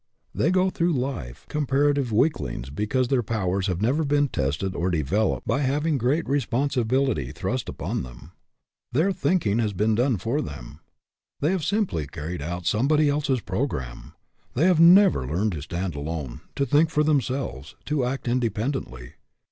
They go RESPONSIBILITY DEVELOPS 93 through life comparative weaklings because their powers have never been tested or devel oped by having great responsibility thrust up on them. Their thinking has been done for them. They have simply carried out some body else's programme. They have never learned to stand alone, to think for themselves, to act independently.